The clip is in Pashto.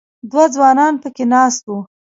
دوه ځوانان په کې ناست وو.